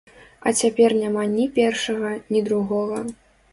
А цяпер няма ні першага, ні другога.